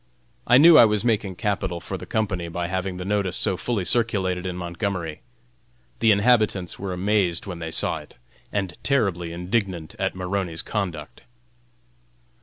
I knew I was making capital for the company by having the notice so fully circulated in Montgomery. The inhabitants were amazed when they saw it, and terribly indignant at Maroney's conduct.